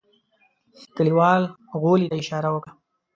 کليوال غولي ته اشاره وکړه.